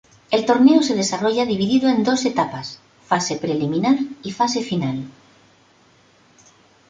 El torneo se desarrolla dividido en dos etapas: fase preliminar y fase final.